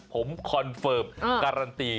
ผมคอนเฟิร์มการันตี